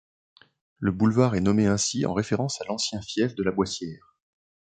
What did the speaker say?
Le boulevard est nommé ainsi en référence à l'ancien fief de la Boissière.